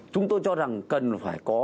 chúng tôi cho rằng cần phải có